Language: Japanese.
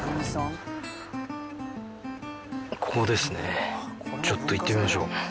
ここですねちょっと行ってみましょう。